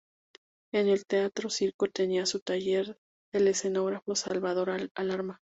En el Teatro Circo tenía su taller el escenógrafo Salvador Alarma.